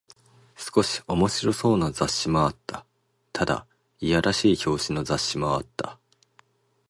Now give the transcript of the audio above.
少し面白そうな雑誌もあった。ただ、いやらしい表紙の雑誌もあった。